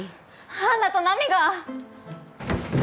杏奈と波が。